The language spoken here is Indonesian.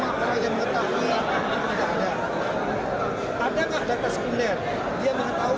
itu tidak ada